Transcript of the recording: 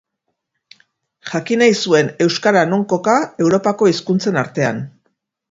Jakin nahi zuen euskara non koka Europako hizkuntzen artean.